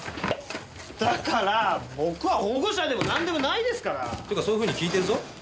だから僕は保護者でもなんでもないですから。っていうかそういうふうに聞いてるぞ。